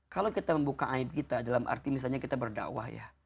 kalau kita membuka aib kita dalam arti misalnya kita berdakwah ya